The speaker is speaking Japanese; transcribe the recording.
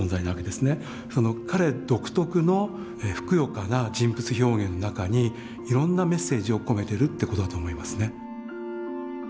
その彼独特のふくよかな人物表現の中にいろんなメッセージを込めてるってことだと思いますね。